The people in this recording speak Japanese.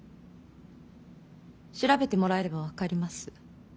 調べてもらえれば分かります。